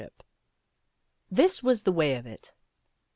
HIS was the way of it.